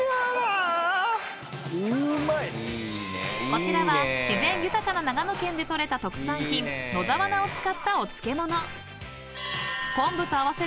［こちらは自然豊かな長野県で取れた特産品野沢菜を使ったお漬物］